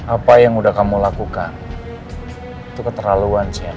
apa yang udah kamu lakukan itu keterlaluan sienna